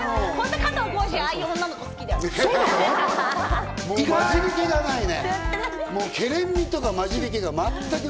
加藤浩次、ああいう女の子が好きだよね。